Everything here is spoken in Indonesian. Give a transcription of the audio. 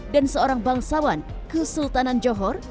dan seorang bangsawan kesultanan johor